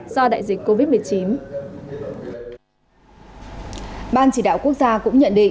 do đại dịch covid một mươi chín